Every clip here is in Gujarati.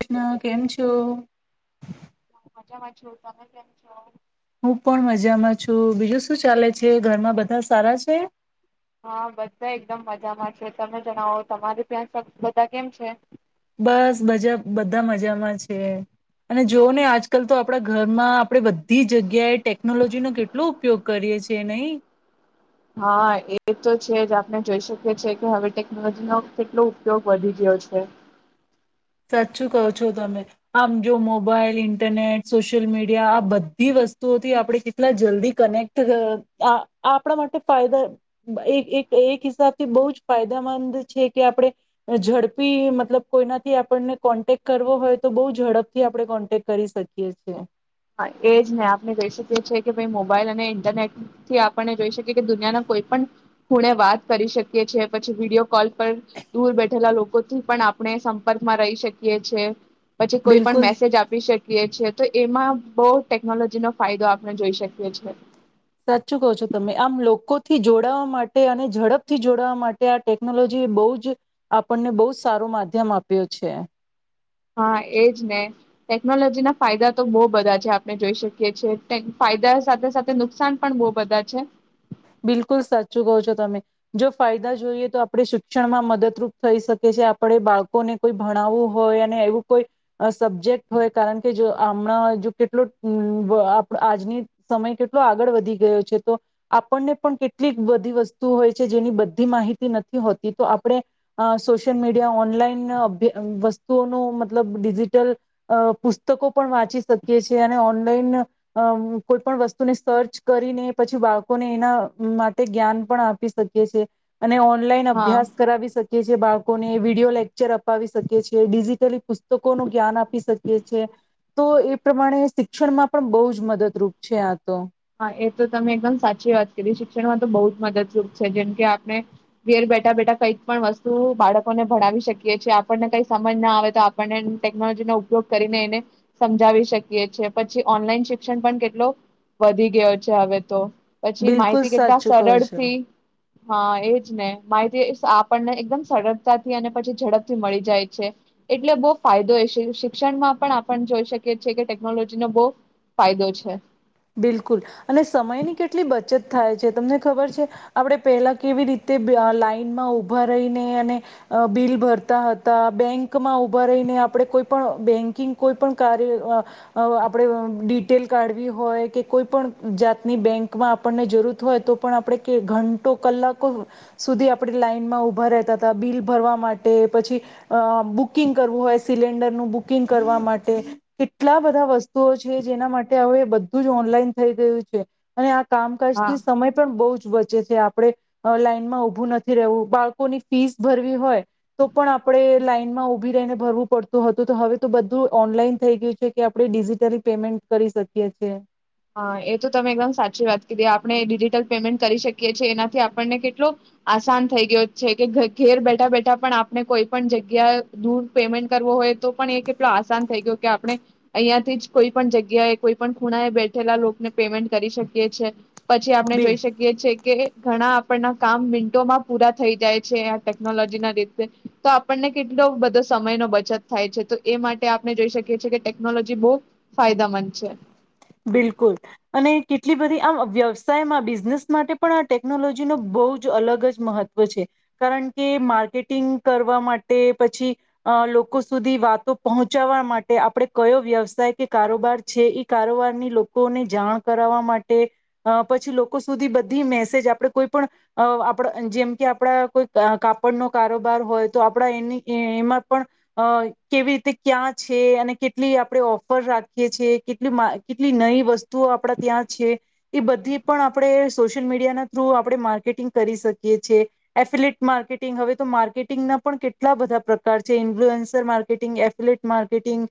કૃષ્ણ કેમ છો? મજામાં છું. તમે કેમ છો? હું પણ મજામાં છું. બીજું શું ચાલે છે? ઘરમાં બધા સારા છે? હા બધા એકદમ મજામાં છે. તમે જણાવો તમારી ત્યા બધા કેમ છે? બસ બજા બધા મજામાં. છે અને જોવ ને આજકાલ તો આપણા ઘરમાં આપણે બધી જગ્યાએ ટેકનોલોજી નો કેટલો ઉપયોગ કરીએ છે નહી. હા એ તો છે જ આપણે જોઈ શકીએ છીએ કે હવે ટેકનોલોજીનો કેટલો ઉપયોગ વધી ગયો છે. સાચું કહો છો તમે આમ જો મોબાઈલ, ઇન્ટરનેટ, સોશિયલ મીડિયા આ બધી વસ્તુઓથી આપણે કેટલા જલ્દી કનેક્ટ થ અ આપણા માટે ફાયદા એક એક એક હિસાબથી બહુ જ ફાયદામંદ છે. કે આપણે ઝડપી મતલબ કોઈના થી આપને કોન્ટેક કરવો હોય તો બઉ ઝડપથી આપણે કોન્ટેક્ટ કરી શકીએ છીએ. હા એ જ ને આપણે જોઈ શકીએ છી કે ભાઈ મોબાઈલ અને ઇન્ટરનેટ થી આપને જોઈ શકીએ કે દુનિયાના કોઈ પણ ખૂણે વાત કરી શકીએ છે પછી વિડીયો કોલ પર દૂર બેઠેલા લોકોથી પણ આપણે સંપર્કમાં રહી શકીએ છે. પછી કોઈ પણ બિલકુલ મેસેજ આપી શક કીયે છીએ તો એમાં બહુ ટેકનોલોજીનો ફાયદો આપણે જોઈ શકીએ છે. સાચ્ચું કહો છો તમે. આમ લોકોથી જોડાવા માટે અને ઝડપથી જોડાવા માટે આ ટેકનોલોજી એ બહુજ આપણને બહુ જ સારો માધ્યમ આપ્યો છે. હા એજ ને. ટેકનોલોજીના ફાયદા તો બો બધા છે. આપણે જોઈ શકીએ છીએ. ટેક ફાયદા સાથે સાથે નુકસાન પણ બો બધા છે. બિલકુલ સાચું કહો છો તમે. જો ફાયદા જોઈએ તો આપણે શિક્ષણમાં મદદરૂપ થઈ સકે છે. આપણે બાળકોને કોઈ ભણાવવું હોય અને એવું કોઈ સબ્જેક્ટ હોય કારણ કે જો અમણાં જો કેટલો અમ્મ વ આપ આજની સમય કેટલો આગળ વધી ગયો છે તો આપણને પણ કેટલીક બધી વસ્તુ હોય છે જેની બધ્ધી માહિતી નથી હોતી. તો આપણે અ સોશિયલ મીડિયા ઓનલાઇન અભ વસ્તુઓનો મતલબ ડિજીિટલ અ પુસ્તકો પણ વાંચી સકીએ છીએ અને ઓનલાઈન અ કોઈ પણ વસ્તુને સર્ચ કરીને પછી બા ળકોને, એના માટે જ્ઞાન પણ આપી શકીએ છે. અને ઓનલાઈન હા અભ્યાસ કરાવી સકીએ છીએ બા ળકોને વિડીયો લેક્ચર અપાવી સકીએ છે. ડિજિટલી પુસ્તકોનું જ્ઞાન આપી શકીએ છે. તો એ પ્રમાણે શિક્ષણમાં પણ બઉજ મદદરૂપ છે આ તો. હા એ તો તમે એકદમ સાચી વાત કરી. શિક્ષણમાં તો બઉજ મદદરૂપ છે, જેમ કે આપણે ઘેર બેઠા બેઠા કંઈક પણ વસ્તુ બાળકોને ભણાવી શકીએ છીએ, આપણને કંઈ સમજ ના આવે તો આપણને ટેકનોલોજીનો ઉપયોગ કરીને એને સમજાવી શકીએ છીએ. પછી ઓનલાઈન શિક્ષણ પણ કેટલો વધી ગ્યો છે હવે તો. પછી બિલકુલ માહિતી કેટલા સાચું કહો છો. સરળથી હા, એજ ને. માહિતી સ આપણને એકદમ સરળતાથી અને પછી ઝડપથી મળી જાય છે. એટલે બો ફાયદો એ છે. શિક્ષણમાં પણ આપણ જોઈ શકીએ છે એ કે ટેકનોલોજીનો બો ફાયદો છે. બિલકુલ, અને સમયની કેટલી બચત થાય છે. તે તમને ખબર છે? આપણે પેલા કેવી રીતે બી લાઈનમાં ઉભા રહીને અને બિલ ભરતા હતા, બેંકમાં ઉભા રહીને, આપણે કોઈ પણ બેંકિંગ કોઈ પણ કાર્ય, આપણે ડિટેલ કાઢવી હોય કે કોઈ પણ જાતની બેંકમાં આપણને જરૂરત હોય, તો પણ આપણે ઘંટો કલાકો સુધી આપણે લાઈનમાં ઉભા રહેતા હતા. બિલ ભરવા માટે પછી બુકિંગ કરવું હોય સિલિન્ડરનું બુકિંગ કરવા માટે. કેટલા બધા વસ્તુઓ છે જેના માટે હવે બ ધ્ધું જ ઓનલાઈન થઈ ગયું છે. અને આ હા. કામકાજથી સમય પણ બહુ જ વધ ચે છે. આપણે લાઈનમાં ઉભું નથી રહેવું. બાળકોની ફીસ ભરવી હોય તો પણ આપણે લાઈનમાં ઉભી રહીને ભરવું પડતું હતું, તો હવે તો બધું ઓનલાઈન થઈ ગયું છે, કે આપણે ડિજીિટલી પેમેન્ટ કરી શકીએ છે. હા, એ તો તમે એકદમ સાચી વાત કીધી. આપણે ડિજિટલ પેમેન્ટ કરી શકીએ છીએ, એનાથી આપણને કેટલો આસાન થઈ ગયો છે, કે ઘેર બેઠા બેઠા પણ આપણે કોઈ પણ જગ્યાએ દૂર પેમેન્ટ કરવો હોય તો પણ એ કેટલો આસાન થઈ ગ્યો, કે આપણે અહીંયાથી જ કોઈ પણ જગ્યાએ કોઈ પણ ખૂણાએ બેઠા પેલા લોકને પેમેન્ટ કરી શકીએ છે. પછી આપણે બિલ જોઈ શકીએ છીએ કે. ઘણા આપણના કામ મિન્ટોમાં પૂરા થઈ જાય છે આ ટેકનોલોજી ના લીધે તો આપણને કેટલો બધો સમયનો બચત થાય છે તો એ માટે આપણે જોઈ શકીએ છેીએ કે ટેકનોલોજી બહુ ફાયદાામંદ છે. બિલકુલ અને કેટલી બધી આમ વ્યવસાયમાં બિઝનેસ માટે પણ આ ટેકનોલોજી ન બહુ જ અલગ જ મહત્ત્વ છે કારણ કે માર્કેટિંગ કરવા માટે પછી લોકો સુધી વાતો પહોંચાવા માટે આપણે કયો વ્યવસાય કે કારોબાર છે એ કારોબાર. લોકોને જાણ કરવા માટે પછી લોકો સુધી બધી મેસેજ આપણેે કોઈ પણ આપ જેમ કે આપડા કોઈ કાપડનો કારોબાર હોય તો આપડા એની એમાં પણ કેવી રીતે ક્યાં છે અને કેટલી આપણે ઓફર રાખીએ છીએ કેટલી. કેટલી નઈ વસ્તુઓ આપણા ત્યાં છે એ બધી પણ આપણે સોશિયલ મીડિયાના થ્રુ આપણે માર્કેટિંગ કરી શકીએ છેએ એફિલેટ માર્કેટિંગ હવે તો માર્કેટિંગના પણ કેટલા બધા પ્રકાર છે ઇન્ફ્લુઅન્સર માર્કેટિંગ એફિલેટ માર્કેટિંગ.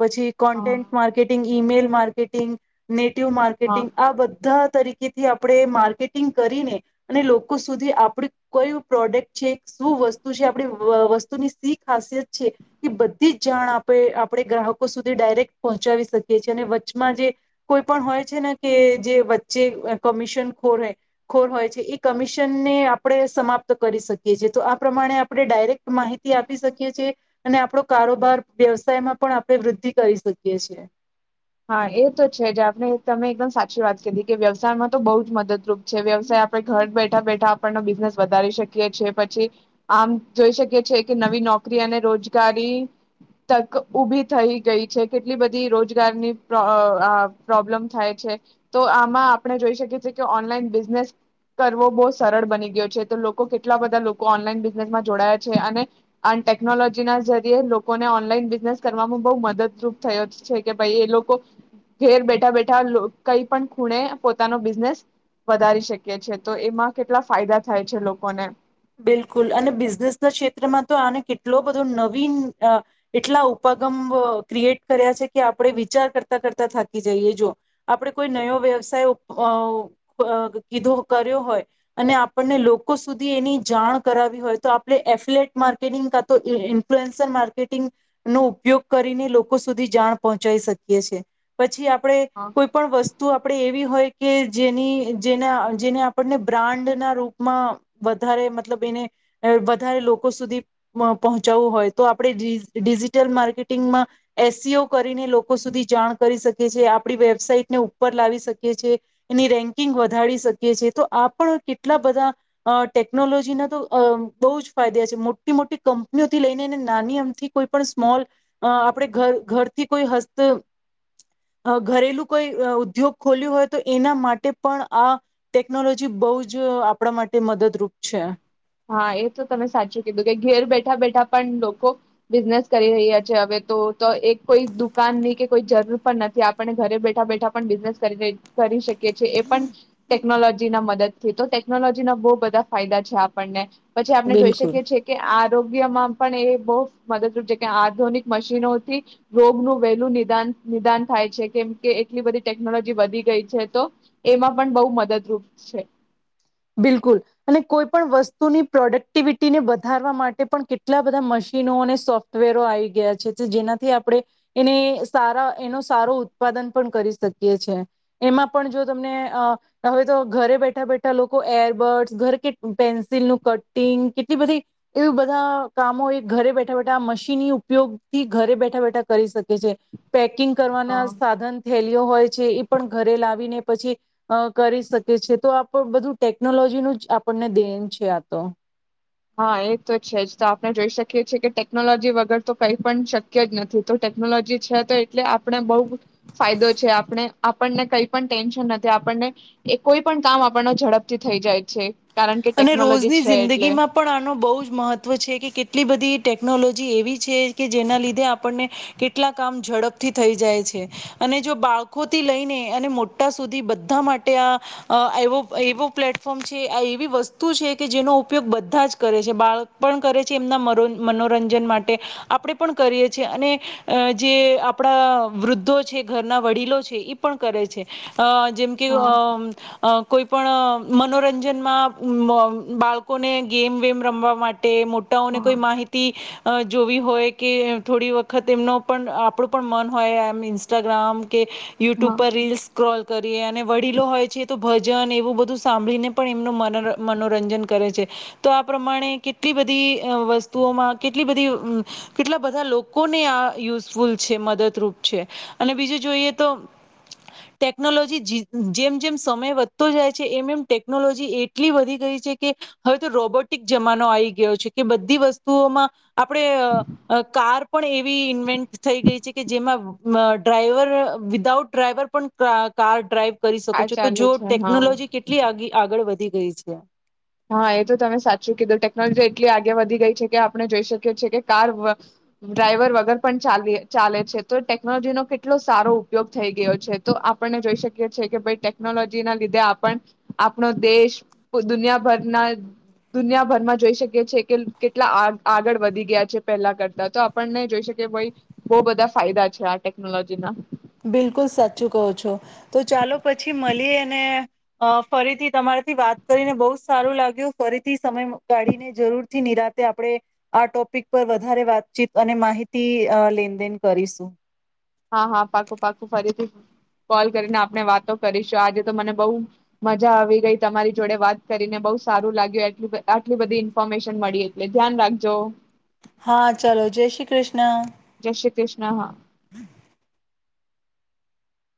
પછી હા content marketing email. Marketing net. ટ હા માર્કેટિંગ આ બધા તરીકે. કેથી આપણે માર્કેટિંગ કરીને અને લોકો સુધી આપણ કઈ પ્રોડક્ટ છે શું વસ્તુ છે આપણી વસ્તુની સી ખાસિયત છે એ બધી જ જાણ આપે આપણે ગ્રાહકો સુધી ડાયરેક્ટ પહોંચાવી શકીએ છી અને. કમાં જે કોઈ પણ હોય છે ને કે જે વચ્ચે કમિશન ખોર ખોર હોય છે એ કમિશનને આપણે સમાપ્ત કરી શકીએ છીએ તો આ પ્રમાણે આપણે ડાયરેક્ટ માહિતી આપી શકીએ છેએ અને આપણો કારોબાર વ્યવસાયમાં પણ આપણે વૃદ્ધિ કરી શકીએ છ છે. હા એ તો છે જે આપણે તમે એકદમ સાચ. સાચી વાત કરી કે વ્યવસાય માં તો બહુ જ મદદરૂપ છે વ્યવસાય આપણે ઘર બેઠા બેઠા આપણનો બિઝનેસ વધારી શકીએ છીએ પછી આમ જોઈ શકીએ છેએ કે નવી નોકરી અને રોજગારી તક ઊભી થઈ ગઈ છે કેટલી બધી રોજગારની પ્રોબ્લેમ થાય છે તો આમાં આપણે જોઈ શકે છે કે ઓનલાઇન બિઝનેસ કરવો બહુ સરળ બની ગયો છે તો લોકો કેટલા બધા લોકો ઓનલાઈન ડિઝાઇનમાં જોડાયા છે અને ટેકનોલોજીના લોકોને ઓનલાઇન બિઝનેસ કરવામાં બહુ મદદરૂપ થયો છે કે ભાઈ એ લોકો ઘેર બેઠા બેઠા કઈ પણ ખૂણે પોતાનો બિઝનેસ વધારી શકે છે તો એમાં કેટલા ફાયદા થાય છે લોકોને ક્રિએટ કર્યા છે કે આપણે વિચાર કરતા કરતા થાકી જઈએ જો આપણે કોઈ નવો વ્યવસાયો હોય અને આપણને લોકો સુધી એની જાણ કરાવ્યું હોય તો આપણે એ ફ્લેટ માર્કેટિંગ નો ઉપયોગ કરીને લોકો સુધી જાણ પહોંચાઈ શકીએ છે પછી આપ આપણે કોઈ પણ વસ્તુ આપણેે એવી હોય કે જેની જેના જેને આપણને બ્રાન્ડ ના રૂપમાં વધારે મતલબ વધારે લોકો સુધી પહોંચવું હોય તો આપણે ડિજિટલ માર્કેટિંગમાં એસસીઓ કરીને લોકો સુધી જાણ કરી શકે છે આપણી વેબસાઈટને ઉપર લાવી શકીએ છીએ એની રેન્કિંગ વધારી શકીએ છીએ તો આ પણ કેટલા બધા ટેકનોલોજી કોઈપણ સ્મોલ આપણે ઘરથી કોઈ ઘરેલુ કોઈ ઉદ્યોગ ખોલ્યું હોય તો એના માટે પણ આ ટેકનોલોજી બહુ જ આપણા માટે મદદરૂપ અચ્છા હા એ તો તમે સાચું કીધું કે ઘેર બેઠા બેઠા પણ લોકો બિઝનેસ કરી રહ્યા છે હવે તો તો એક કોઈ દુકાન ની કે કોઈ જરૂર પણ નથી આપને ઘરે બેઠા બેઠા પણ બિઝનેસ કરી કરી શકી એ પણ ટેકનોલોજી ના મદદ તો ટેકનોલોજી ના બહુ બધા ફાયદા છે આપ આપણને પછી આપણે જોઈ બિલકુલ. શકીએ છીએ કે આ આરોગ્યમાં પણ એ બહુ મદદરૂપ છે કે આધુનિક મશીનોથી રોગનું વહેલું નિદાન નિદાન થાય છે કેમ કે એટલી બધી ટેકનોલોજી વધી ગઈ છે તો એમાં પણ બહુ મદદરૂપ છે બિલકુલ અને કોઈ પણ વસ્તુની પ્રોડક્ટિવિટીને વધારવા માટે પણ કેટલા બધા મશીનો અને સોફ્ટવેરો આવી ગયા છે જેનાથી આપણે એને સારા એનો સારો ઉત્પાદન પણ કરી શકીએ છે એમાં પણ જો તમને હવે તો ઘરે બેઠા બેઠા લોકો એરબર્ડસ ઘરે કે પેન્સિલ ન કટિંગ કેટલી બધી એવું બધા કામો એ ઘરે બેઠા બેઠા મશીનની ઉપયોગથી ઘરે બેઠા બેઠા કરી શકે છે પેકિંગ કરવાના હા સાધન થેલયો હોય છે એ પણ ઘરે લાવીને પછી અ કરી શકે છે તો આપ બધું ટેકનોલોજીનું જ આપણને દેન છે આ તો હા એ તો છે જ તો આપણે જોઈ શકીએ છીએ કે ટેકનોલોજી વગર તો કઈ પણ શક્ય જ નથી તો ટેકનોલોજી છે તો એટલે આપને બહ ફાયદો છે આપણે આપણને કઈ પણ ટેન્શન નથી આપણને એ કોઈ પણ કામ આપણ ઝડપથી થઈ જાય છે કારણ કે અને ટેકનોલોજી રોજની છે એટલે જિંદગી માં પણ બહુ જ મહત્વ છે કે કેટલી બધી ટેકનોલોજી એવી છે કે જેના લીધે આપણને કેટલા કામ ઝડપથી થઈ જાય છે અને જો બાળકોથી લઈને અને મોટા સુધી બધા માટે આ એવો પ્લેટફોર્મ છે આ એવીસ્ વસ્તુ છે કે જેનો ઉપયોગ બધા જ કરે છે બાળક પણ કરે છે એમના મનોરંજન માટે આપણેે પણ કરીએ છેએ અને જે આપણા વૃદ્ધો છે ઘરના વડીલો છે પણ કરે છે અ જેમ કે હા અ કોઈ પણ મનોરંજનમાં બાળકોને ગેમ વેમ રમવા માટે તે મોટાઓને હા કોઈ માહિતી જોવી હોય કે થોડી વખત એમનો પણ આપણું પણ મન હોય એમ ઇન્સ્ટાગ્રામ કે યુટ્યુબ હા પર રીલ્સ સ્ક્રોલ કરીએ અને વડીલો હોય છે તો ભ ભજન એવું બધું સાંભળીને પણ એમનું મન મનોરંજન કરે છે તો આ પ્રમાણે કેટલી બધી વસ્તુઓમાં કેટલી બધી કેટલા બધા લોકોને આ યુઝફુલ છે મદદરૂપ છે અને બીજું જોઈએ તો ટેકનોલોજી જેમ જેમ સમય વધતો જાય છે એમ એમ ટેકનોલોજી એ એટલી વધી ગઈ છે કે હવે તો રોબોટિક જમાનો આવી ગયો છે કે બધી વસ્તુઓમાં આપણે કાર પણ એવી ઇન્વેન્ટ થઈ ગઈ છે કે જેમાં ડ્રાઈવર વિદાઉટ ડ્રાઈવર પણ કાર ડ્રાઈવ કરી શકો આ છો તો ચાલે જો છે હા ટેકનોલોજી કેટલી આગળ વધી એ જ ણે હા એ તો તમે સાચું કીધું ટેકનોલોજી એટલી આગે વધી ગઈ છે કે આપણે જોઈ શકીએ છીએ કે કાર ડ્રાઈવર વગર પણ ચાલે છે તો ટેકનોલોજી નો કેટલો સારો ઉપયોગ થઈ ગયો છે તો આપણને જોઈ શકીએ છેએ કે ભાઈ ટેકનોલોજી ના લીધે આપણ આપણો દેશ દુનિયા ભરના દુનિયાભરમાં જોઈ શકીએી કે કેટલા આગળ વધી ગયા છે પહેલા કરતા તો આપણને જોઈ શકીએ ભાઈ બો બધા ફાયદા છે આ ટેકનોલોજી ના બિલકુલ સાચું કહો છો તો ચાલો પછી મળીએ અને ફરીથી તમારાથી વાત કરીને બહુ સારું લાગ્યું ફરીથી સમય કાઢીને જરૂર થી નિરાતે આપણે આ ટોપિક પર વધારે વાતચીત અને માહિતી લેનદેન કરીશું હા હા પાકું પાકું ફરીથી કોલ કરીને આપણે વાતો કરીશું આજે તો મને બહુ મજા આવી ગઈ તમારી જોડે વાત કરીને બહુ સારું લાગ્યું આટલી બધી ઈન્ફોર્મેશન મળી એટલે ધ્યાન રાખજો હા ચલો જય શ્રી કૃષ્ણ. જય શ્રી કૃષ્ણ. [inaudible]